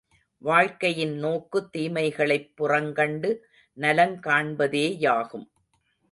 வாழ்க்கையின் நோக்கு, தீமைகளைப் புறங்கண்டு நலங்காண்பதேயாகும்.